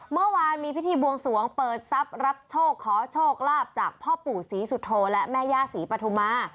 เมื่อวานมีพิธีบวงสวงเปิดทรัพย์รับโชคขอโชคลาภจากพ่อปู่ศรีสุโธและแม่ย่าศรีปฐุมา